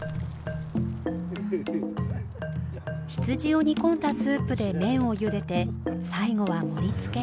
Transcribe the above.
羊を煮込んだスープで麺をゆでて最後は盛りつけ。